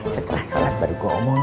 setelah sholat baru gue omongin ya